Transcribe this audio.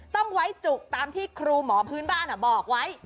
ต้องไว้จุกตามที่ครูหมอพื้นบ้านบอกไว้